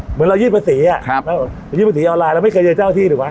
เหมือนเรายืนประสิทธิ์อ่าบ้างครับมันยืนประสิทธิ์ออไลน์เราไม่เคยเจอเจ้าที่ที่